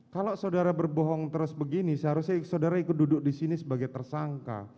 kalau saudara berbohong terus begini seharusnya saudara ikut duduk di sini sebagai tersangka